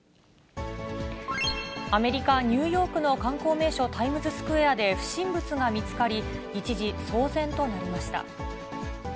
アメリカ・ニューヨークの観光名所、タイムズスクエアで不審物が見つかり、一時、騒然となりました。